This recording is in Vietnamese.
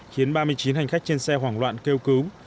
khiến ba mươi chín hành khách trên xe hoảng loạn kêu cứu